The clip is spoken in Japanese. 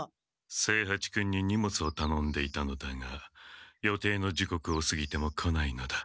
清八君に荷物をたのんでいたのだが予定のじこくをすぎても来ないのだ。